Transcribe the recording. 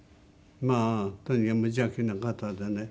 まあとにかく無邪気な方でね。